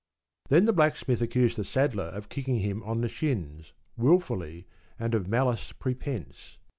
Then the Blacksmith accused the Saddler of kicking him on the shins, wilfully and of malice prepense.